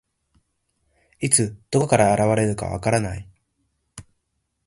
いつ、どこから現れるか分からない。